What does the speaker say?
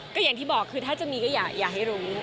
ก็อย่างที่บอกคือถ้าจะมีก็อยากให้รู้